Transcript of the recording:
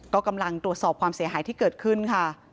ก็กำลังตรวจสอบความเสียหายที่เกิดขึ้นค่ะ